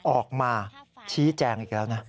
ออกมาชี้แจงอีกแล้วนะ